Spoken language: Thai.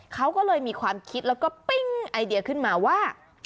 เขาก็เลยมีความคิดแล้วก็ปิ้งไอเดียขึ้นมาว่า